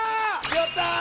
やったー！